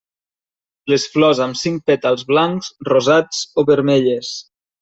Les flors amb cinc pètals blancs, rosats o vermelles.